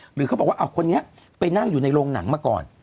หรือเขาบอกว่าเอาคนนี้ไปนั่งอยู่ในโรงหนังมาก่อน